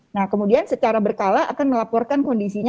nah kemudian secara berkala akan melaporkan kondisinya